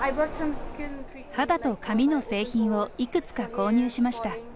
肌と髪の製品をいくつか購入しました。